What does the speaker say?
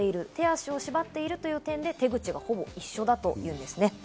手足を縛っているという点で手口がほぼ一緒だということですね。